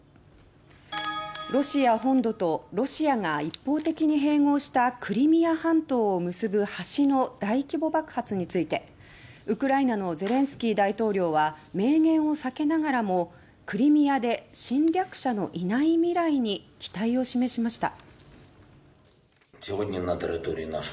ロシア本土とロシアが一方的に併合したクリミア半島を結ぶ橋の大規模爆発についてウクライナのゼレンスキー大統領は明言を避けながらもクリミアで侵略者のいない未来に期待を示しました。